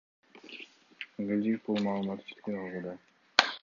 Кангелдиев бул маалыматты четке кагууда.